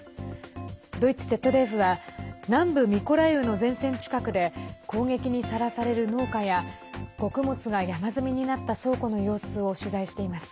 ドイツＺＤＦは南部ミコライウの前線近くで攻撃にさらされる農家や穀物が山積みになった倉庫の様子を取材しています。